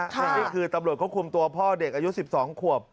ส่วนนี้คือตำรวจเขาคุมตัวพ่อเด็กอายุ๑๒ขวบ